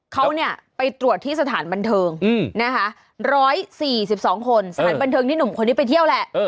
เขาเนี่ยไปตรวจที่สถานบันเทิงนะคะ๑๔๒คนสถานบันเทิงที่หนุ่มคนนี้ไปเที่ยวแหละ